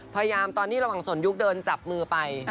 ตอนที่ระหว่างสนยุคเดินจับมือไป